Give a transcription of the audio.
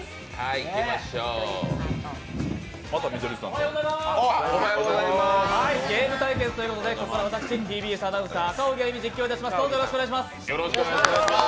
おはようございますゲーム対決ということでここから私、ＴＢＳアナウンサー赤荻歩が実況いたします。